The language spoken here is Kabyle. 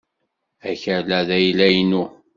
Akal-a d ayla-inu.